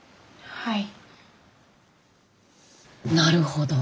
はい。